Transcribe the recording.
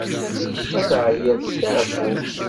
Ma teɛyiḍ, steɛfu!